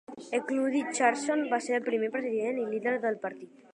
Euclide Chiasson va ser el primer president i lider del partit.